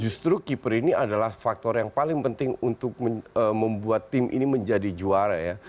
justru keeper ini adalah faktor yang paling penting untuk membuat tim ini menjadi juara ya